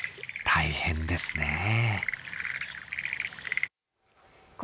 大変ですねぇ。